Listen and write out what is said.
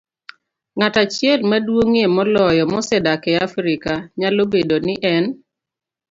Ng'at achiel maduong'ie moloyo mosedak e Afrika, nyalo bedo ni en